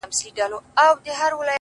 • په ځان غټ یمه غښتلی تر هر چا یم,